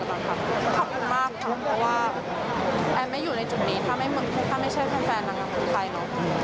ก็คิดถึงทารวดนี่ค่ะพิดักมากครับเพราะแอนไม่อยู่ในจุดนี้ถ้าไม่ใช่แฟนแฟนนางเครื่องไทยเนอะ